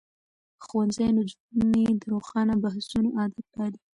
ښوونځی نجونې د روښانه بحثونو عادت پالي.